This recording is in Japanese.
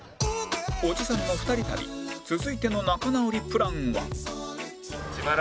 おじさんの２人旅続いての仲直りプランは